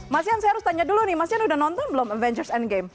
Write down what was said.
mas yan saya harus tanya dulu nih mas jan udah nonton belum avengers endgame